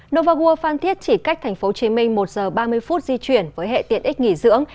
novagua phan thiết chỉ cách tp hcm một giờ ba mươi phút di chuyển với hệ tiện ích nghỉ dưỡng